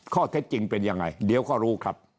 ข้อเท็จจริงเป็นยังไงเดี๋ยวก็รู้ครับ